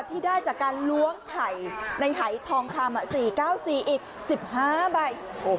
ที่ได้จากการล้วงไข่ในหายทองคำ๔๙๔อีก๑๕ใบ